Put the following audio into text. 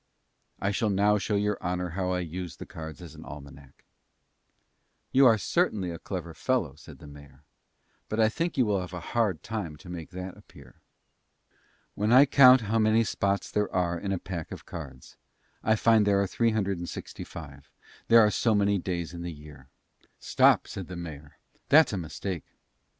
"I shall now show your honour how I use the cards as an Almanack." "You certainly are a clever fellow," said the mayor, "but I think you will have a hard matter to make that appear." "When I count how many spots there are in a pack of cards, I find there are three hundred and sixty five, there are so many days in the year." "Stop," said the mayor, "that's a mistake."